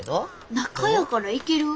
中やからいける？